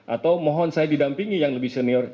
atau mohon saya didampingi yang lebih senior